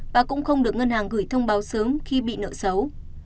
và cũng không được ngân hàng gửi thông báo sớm khi bị nợ xấu